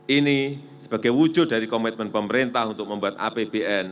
ini sebagai wujud dari komitmen pemerintah untuk membuat apbn